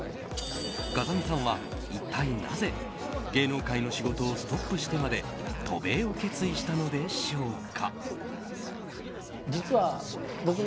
風見さんは一体なぜ芸能界の仕事をストップしてまで渡米を決意したのでしょうか。